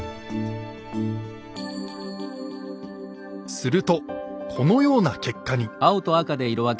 するとこのような結果に。